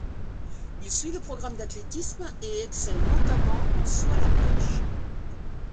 Il suit le programme d'athlétisme et excelle notamment en saut à la perche.